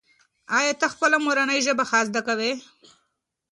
ایا ته خپله مورنۍ ژبه ښه زده کوې؟